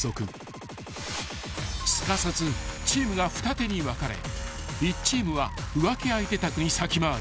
［すかさずチームが二手に分かれ１チームは浮気相手宅に先回り］